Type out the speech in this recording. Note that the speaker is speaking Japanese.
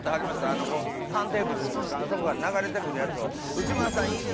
ターンテーブルっていうんですかあそこから流れてくるやつを「内村さんいいです」